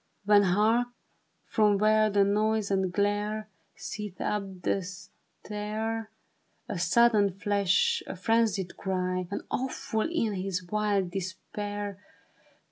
When, hark ! from where the noise and glare Seethe up the stair, A sudden flash, a frenzied cry ! And awful in his wild despair.